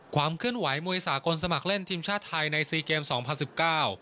ความเคลื่อนไหวมวยสากลสมัครเล่นทีมชาติไทยในซีเกมสองพันสิบเก้า